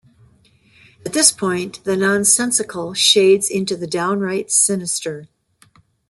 At this point, the nonsensical shades into the downright sinister.